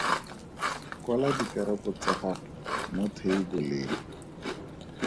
Kwala dikarabo tsa gago mo theiboleng.